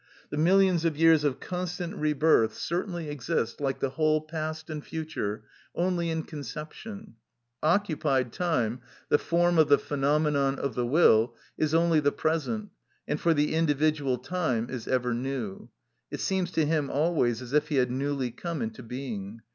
The millions of years of constant rebirth certainly exist, like the whole past and future, only in conception; occupied time, the form of the phenomenon of the will, is only the present, and for the individual time is ever new: it seems to him always as if he had newly come into being.